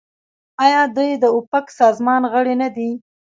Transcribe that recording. آیا دوی د اوپک سازمان غړي نه دي؟